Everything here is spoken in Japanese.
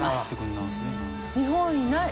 日本いない。